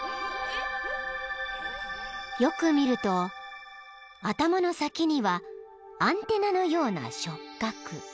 ［よく見ると頭の先にはアンテナのような触角］